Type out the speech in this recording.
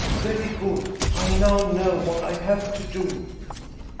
Very good; I now know what I ^have to do.